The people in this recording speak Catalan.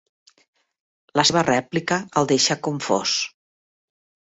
La seva rèplica el deixà confós.